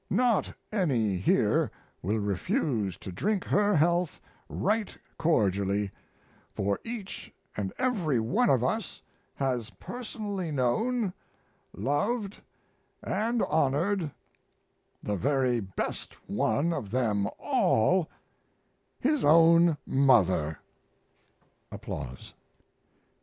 Not any here will refuse to drink her health right cordially, for each and every one of us has personally known, loved, and honored the very best one of them all his own mother! [Applause.